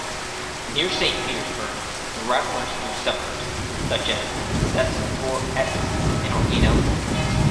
Near Saint Petersburg the route runs through suburbs, such as Sestroretsk and Olgino.